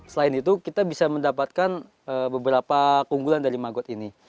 selain itu kita bisa mendapatkan beberapa keunggulan dari magot ini